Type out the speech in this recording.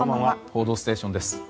「報道ステーション」です。